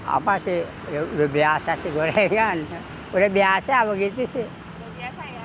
apa sih udah biasa sih gorengan udah biasa begitu sih